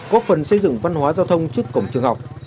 góp phần xây dựng văn hóa giao thông trước cổng trường học